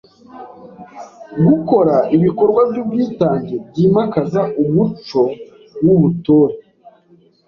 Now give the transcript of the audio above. Gukora ibikorwa by’ubwitange byimakaza umucow’ubutore;